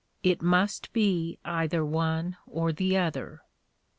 It must be either one or the other.